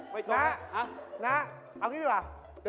ไม่ตรงแล้วไม่ตรง